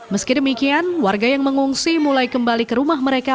meski demikian warga yang mengungsi mulai kembali ke rumah mereka